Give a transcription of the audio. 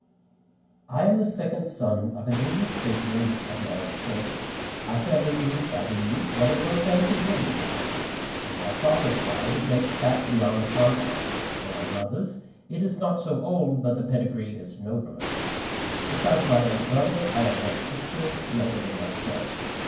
I am the second son of an English gentleman of large fortune. Our family is, I believe, one of the most ancient in this country. On my father's side, it dates back beyond the Conquest; on my mother's, it is not so old, but the pedigree is nobler. Besides my elder brother, I have one sister, younger than myself.